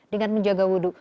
dengan menjaga wudhu